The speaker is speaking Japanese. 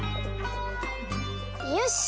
よし！